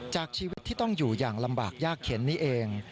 จากชีวิตที่ต้องอยู่อย่างลำบากยากเข็นนี้เอง